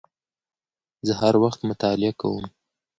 زه هر وخت مطالعه کوم